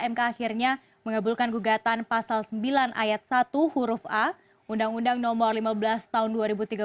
mk akhirnya mengabulkan gugatan pasal sembilan ayat satu huruf a undang undang nomor lima belas tahun dua ribu tiga belas